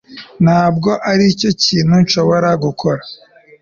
ntabwo aricyo kintu nshobora gukora